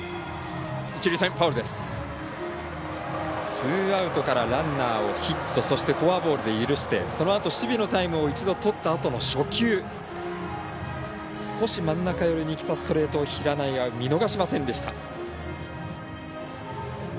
ツーアウトからランナーをヒットそして、フォアボールで許してそのあと守備のタイムを一度とったあとの初球、少し真ん中寄りにきたストレートを平内が見逃しませんでした。